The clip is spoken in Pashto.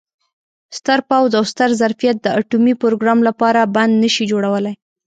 ستر پوځ او ستر ظرفیت د اټومي پروګرام لپاره بند نه شي جوړولای.